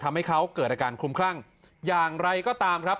ทำให้เขาเกิดอาการคลุมคลั่งอย่างไรก็ตามครับ